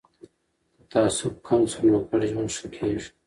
که تعصب کم سي نو ګډ ژوند ښه کیږي.